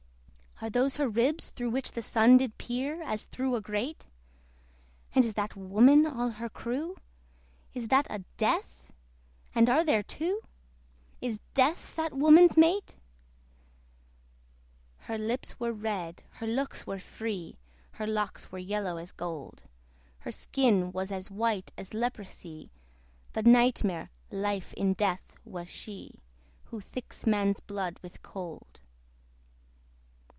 Are those her ribs through which the Sun Did peer, as through a grate? And is that Woman all her crew? Is that a DEATH? and are there two? Is DEATH that woman's mate? Her lips were red, her looks were free, Her locks were yellow as gold: Her skin was as white as leprosy, The Night Mare LIFE IN DEATH was she, Who thicks man's blood with cold.